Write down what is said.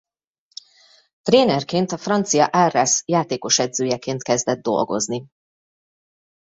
Trénerként a francia Arras játékosedzőjeként kezdett dolgozni.